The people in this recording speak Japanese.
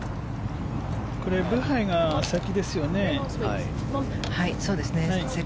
これ、ブハイが先ですよね。